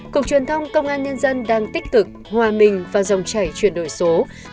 cục truyền thông công an nhân dân đang tích cực hòa mình và dòng chảy chuyển đổi số